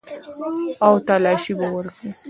او تلاشي به وکړي.